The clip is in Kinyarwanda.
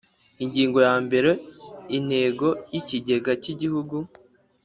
Ingingo yambere Intego y ikigega cy igihugu